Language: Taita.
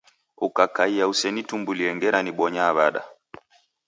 Ukakaia usenitumbulie ngera nibonya w'ada?